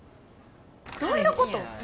どういうこと？